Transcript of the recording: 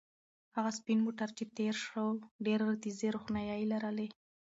هغه سپین موټر چې تېر شو ډېرې تیزې روښنایۍ لرلې.